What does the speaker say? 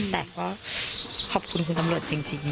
แต่ก็ขอบคุณคุณตำรวจจริง